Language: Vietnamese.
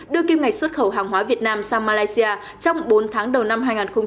đưa kim ngạch xuất khẩu hàng hóa việt nam sang malaysia trong bốn tháng đầu năm hai nghìn hai mươi